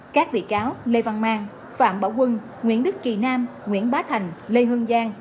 các bị cáo lê văn mang phạm bảo quân nguyễn đức kỳ nam nguyễn bá thành lê hương giang